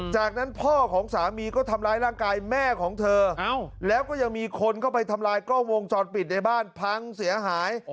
จากนั้นพ่อของสามีก็ทำร้ายร่างกายแม่ของเธอแล้วก็ยังมีคนเข้าไปทำลายกล้องวงจรปิดในบ้านพังเสียหาย